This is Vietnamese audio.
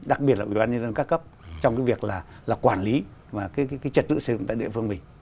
đặc biệt là ủy ban nhân dân ca cấp trong cái việc là quản lý và cái trật tự xây dựng tại địa phương mình